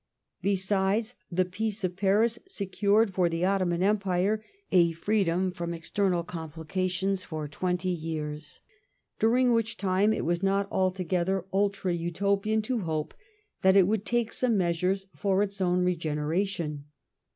Besides, the Peace of Paris secured for the Ottoman Empire a freedom from external complications for twenty years, during which time it was not altogether ultra Utopian to hope that it would take some measures for its own regeneration.